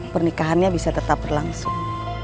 pernikahannya bisa tetap berlangsung